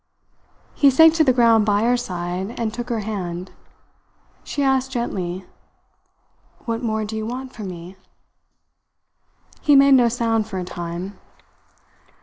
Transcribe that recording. He sank to the ground by her side and took her hand. She asked gently: "What more do you want from me?" He made no sound for a time.